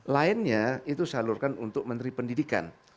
lainnya itu salurkan untuk menteri pendidikan